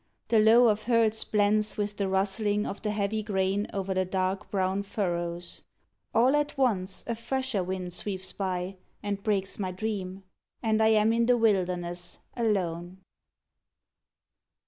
The low of herds Blends with the rustling of the heavy grain Over the dark brown furrows. All at once A fresher wind sweeps by, and breaks my dream, And I am in the wilderness alone.